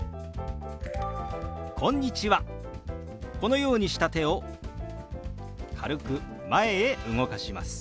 このようにした手を軽く前へ動かします。